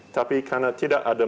tapi karena tidak ada